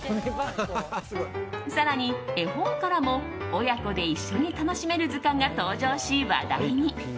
更に絵本からも親子で一緒に楽しめる図鑑が登場し、話題に。